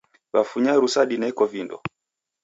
Wafunya rusa dineko vindo.